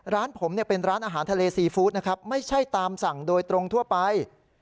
ร้านผมเป็นร้านอาหารทะเลซีฟู้ดนะครับไม่ใช่ตามสั่งโดยตรงทั่วไป